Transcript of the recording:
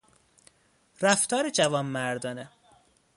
رفتار جوانمردانه